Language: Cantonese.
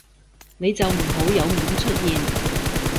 你就唔好有面出現